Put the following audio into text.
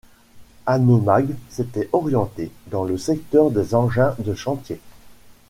Hanomag s'était orienté dans le secteur des engins de chantier.